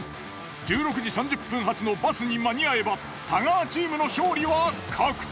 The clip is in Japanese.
１６時３０分発のバスに間に合えば太川チームの勝利は確定。